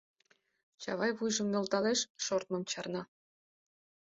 Чавай вуйжым нӧлталеш, шортмым чарна.